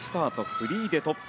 フリーでトップ。